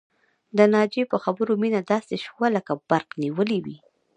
د ناجيې په خبرو مينه داسې شوه لکه برق نيولې وي